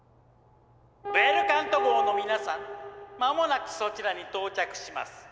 「ベルカント号の皆さん間もなくそちらに到着します」。